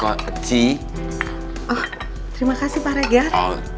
oh terima kasih pak ragar